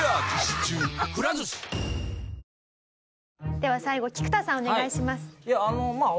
では最後菊田さんお願いします。